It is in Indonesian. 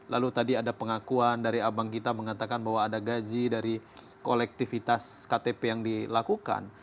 lalu tadi ada pengakuan dari abang kita mengatakan bahwa ada gaji dari kolektivitas ktp yang dilakukan